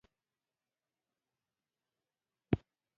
له همدې امله یې د اقتصادي نظام اصلاح غوښتنه کوله.